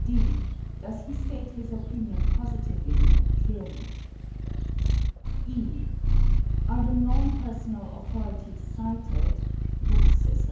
(d) Does he state his opinion positively and clearly? (e) Are the non personal authorities cited (books, etc.)